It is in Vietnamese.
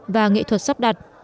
và nghệ thuật sắp đặt